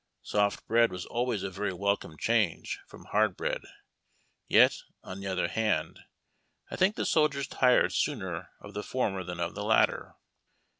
Soft bread was always a very welcome change from hard bread ; yet, on the other hand, I thiidv the soldiers tired sooner of the former than of the latter.